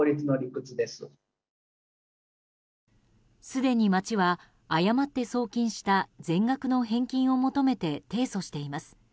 すでに町は誤って送金した全額の返金を求めて提訴しています。